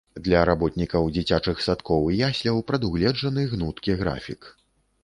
Для работнікаў дзіцячых садкоў і ясляў прадугледжаны гнуткі графік.